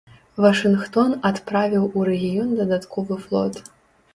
Вашынгтон адправіў у рэгіён дадатковы флот.